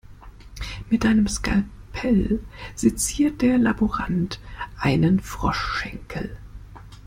Mit einem Skalpell seziert der Laborant einen Froschschenkel.